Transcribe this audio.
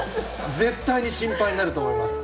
絶対に心配になると思います。